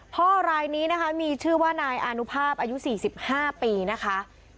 พ่อรายนี้นะคะมีชื่อว่านายอานุภาพอายุสี่สิบห้าปีนะคะ